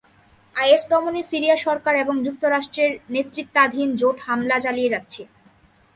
Is দমনে Syria সরকার এবং যুক্তরাষ্ট্রের নেতৃত্বাধীন জোট হামলা চালিয়ে যাচ্ছে।